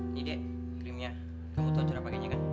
ini dek krimnya kamu tahu cara pakainya kan